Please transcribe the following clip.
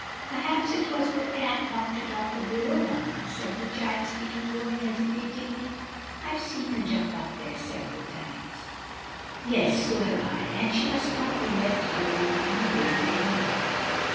"Perhaps it was the cat knocked it off the bureau, mamma," said the child, speaking low and hesitatingly. "I've seen her jump up there several times." "Yes; so have I, and she must not be left alone in here any more."